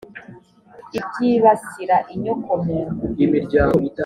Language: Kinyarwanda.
ibyibasira inyoko muntu .